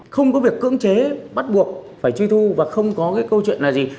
không có việc cưỡng chế bắt buộc phải truy thu và không có cái câu chuyện là gì